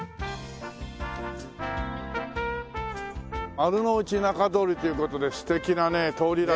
丸の内仲通りという事で素敵なね通りらしいんですよ。